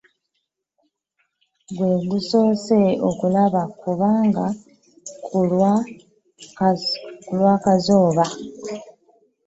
Gwe gusoose okulaba ku mbaga ku lwa kazooba.